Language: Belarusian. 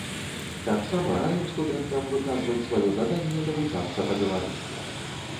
Таксама раім студэнтам выказваць сваё жаданне навучацца па-беларуску.